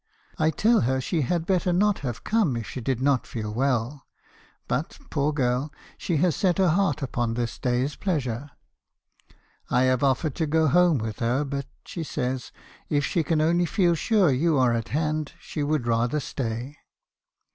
I tell her she had better not have come if she did not feel well; but, poor girl, she had set her heart upon this day's me. haeeison's confessions. 259 pleasure. I have offered to go home with her; but she says , if she can only feel sure you are at hand, she would rather stay.'